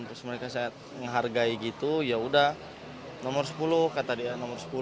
terus mereka saya ngehargai gitu yaudah nomor sepuluh kata dia nomor sepuluh